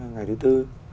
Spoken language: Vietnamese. ngày thứ tư